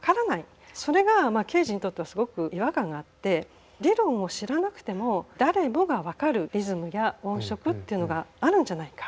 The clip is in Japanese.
それがまあケージにとってはすごく違和感があって理論を知らなくても誰もが分かるリズムや音色っていうのがあるんじゃないか。